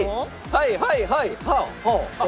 はいはいはい！